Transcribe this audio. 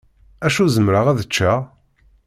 Acu zemreɣ ad ččeɣ?